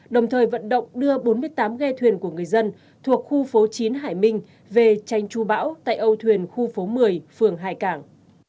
đồng thời vận động đưa bốn mươi tám ghe thuyền của người dân thuộc khu phố chín hải minh về tranh chu bão tại âu thuyền khu phố một mươi phường hải cảng